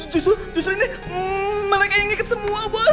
justru ini mereka yang ngikut semua bos